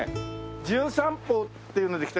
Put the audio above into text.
『じゅん散歩』っていうので来た